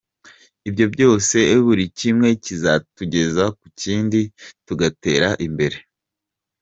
Ibyo byose buri kimwe kizatugeza ku kindi tugatera imbere.